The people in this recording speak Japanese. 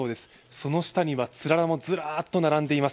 その下にはつららもずらっと並んでいます。